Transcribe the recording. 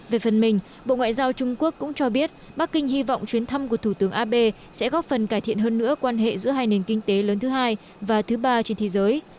về phần mình bộ ngoại giao trung quốc cũng cho biết bắc kinh hy vọng chuyến thăm của thủ tướng abe sẽ góp phần cải thiện hơn nữa quan hệ giữa hai nền kinh tế lớn thứ hai và thứ ba trên thế giới